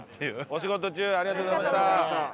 お仕事中ありがとうございました。